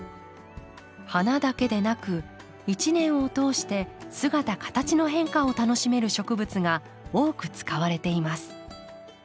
花だけでなく一年を通して姿形の変化を楽しめる植物が多く使われています。